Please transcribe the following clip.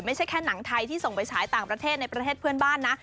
ไม่ใช่แค่หนังไทยที่ส่งไปฉายต่างประเทศในประเทศเพื่อนบ้านนะ